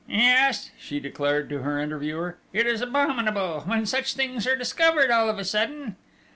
"Yes," she declared to her interviewer, "it is abominable, when such things are discovered all of a sudden!"